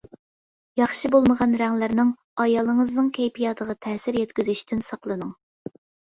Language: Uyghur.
ياخشى بولمىغان رەڭلەرنىڭ ئايالىڭىزنىڭ كەيپىياتىغا تەسىر يەتكۈزۈشتىن ساقلىنىڭ.